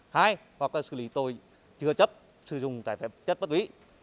hai hoặc là xử lý tôi chưa chấp sử dụng tài phạm chất ma túy